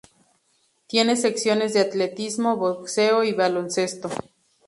Tiene secciones de atletismo, boxeo y baloncesto.